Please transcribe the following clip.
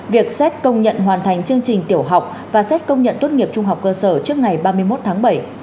việc xét công nhận hoàn thành chương trình tiểu học và xét công nhận tốt nghiệp trung học cơ sở trước ngày ba mươi một tháng bảy